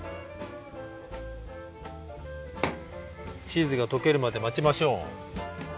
チーズがとけるまでまちましょう！